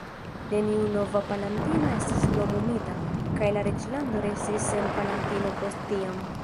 Neniu nova palatino estis nomumita, kaj la reĝlando restis sen palatino post tiam.